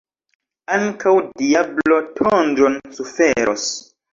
Ankaŭ diablo tondron suferos.